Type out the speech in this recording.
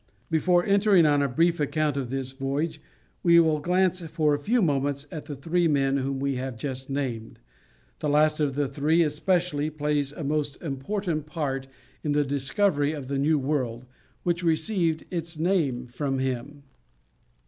] Before entering on a brief account of this voyage, we will glance for a few moments at the three men whom we have just named; the last of the three especially, plays a most important part in the discovery of the New World, which received its name from him.